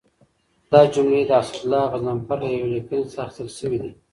دا جملې د اسدالله غضنفر له یوې لیکنې څخه اخیستل شوي دي.